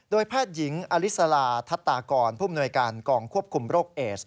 แพทย์หญิงอลิสลาทัศตากรผู้มนวยการกองควบคุมโรคเอส